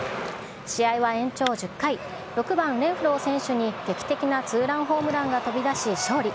試合は延長１０回、６番レンフロー選手に劇的なツーランホームランが飛び出し勝利。